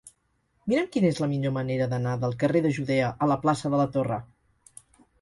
Mira'm quina és la millor manera d'anar del carrer de Judea a la plaça de la Torre.